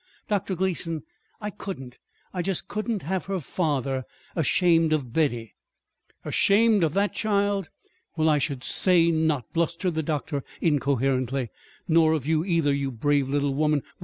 Dr. Gleason, I couldn't I just couldn't have her father ashamed of Betty!" "Ashamed of that child! Well, I should say not," blustered the doctor incoherently; "nor of you, either, you brave little woman.